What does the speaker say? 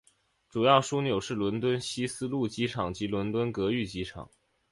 主要枢纽是伦敦希斯路机场及伦敦格域机场。